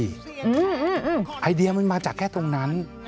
ไอเดียมันมาจากแค่ตรงนั้น